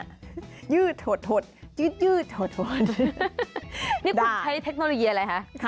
นี่คุณใช้เทคโนโลยีอะไรคะ